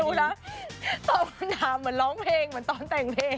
ตอบคำถามเหมือนร้องเพลงเหมือนตอนแต่งเพลง